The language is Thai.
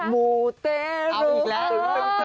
บูเตรลเอาอีกแล้วเออเออเออเออ